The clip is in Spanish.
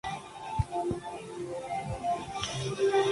Se encuentran en África: Liberia y Costa de Marfil.